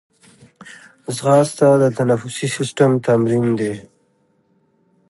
ځغاسته د تنفسي سیستم تمرین دی